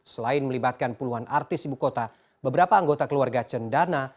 selain melibatkan puluhan artis ibu kota beberapa anggota keluarga cendana